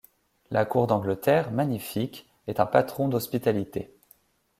La cour d’Angleterre, magnifique, est un patron d’hospitalité.